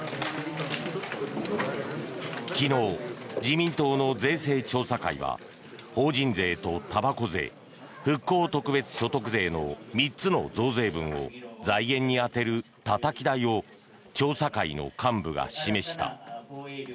昨日、自民党の税制調査会は法人税とたばこ税復興特別所得税の３つの増税分を財源に充てるたたき台を調査会の幹部が示した。